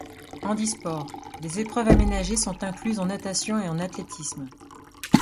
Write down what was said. Handisport: des épreuves aménagées sont incluses en natation et en athlétisme.